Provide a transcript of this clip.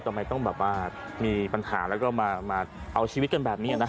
ทำไมต้องแบบว่ามีปัญหาแล้วก็มาเอาชีวิตกันแบบนี้